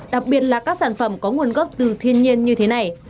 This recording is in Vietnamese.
đặc biệt là các sản phẩm có nguồn gốc từ thiên nhiên như thế này